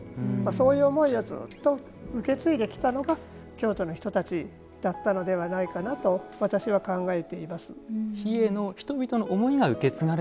そういう思いをずっと受け継いできたのが京都の人たちだったのではないかなと私は考えています。